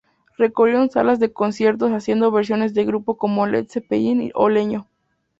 Recorrieron salas de conciertos haciendo versiones de grupos como Led Zeppelin o Leño.